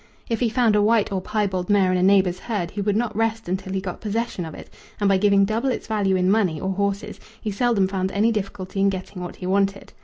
If he found a white or piebald mare in a neighbour's herd he would not rest until he got possession of it, and by giving double its value in money or horses he seldom found any difficulty in getting what he wanted.